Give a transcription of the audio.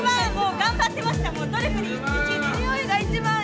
頑張ってました。